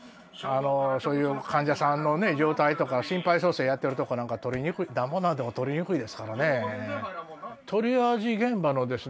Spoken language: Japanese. そういう患者さんのね状態とか心肺蘇生やってるところなんかなんぼなんでも撮りにくいですからね。